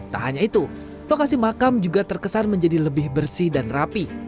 tak hanya itu lokasi makam juga terkesan menjadi lebih bersih dan rapi